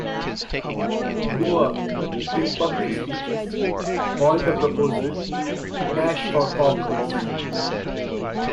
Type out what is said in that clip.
Doerr, in public speeches, called the proposal "cash for caulkers".